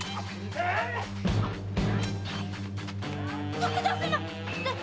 徳田様っ！